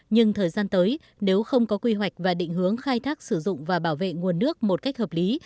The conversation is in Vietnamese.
nhưng thời gian tới nếu không có quy hoạch và định hướng khai thác sử dụng và bảo vệ nguồn nước một cách hợp lý